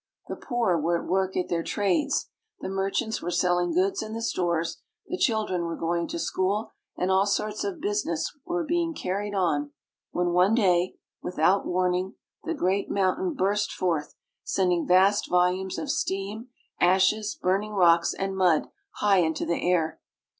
The poor were at work at their trades, the merchants were selling goods in the stores, the children were going to school, and all sorts of business were being carried on, when one day, without warning, the great mountain burst forth, sending vast volumes of steam, ashes, burning rocks, and mud high into the air.